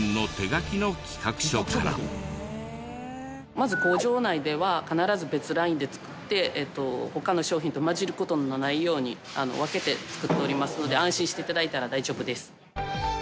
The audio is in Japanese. まず工場内では必ず別ラインで作って他の商品と混じる事のないように分けて作っておりますので安心して頂いたら大丈夫です。